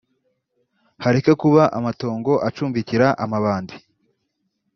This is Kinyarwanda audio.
hareke kuba amatongo acumbikira amabandi